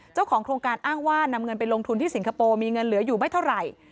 เจ้าของโครงการอ้างว่านำเงินไปลงทุนที่สิงคโปร์มีเงินเหลืออยู่ไม่เท่าไหร่